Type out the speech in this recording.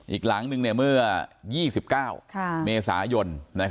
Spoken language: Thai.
อีกหลังนึงเมื่อ๒๙เมษายน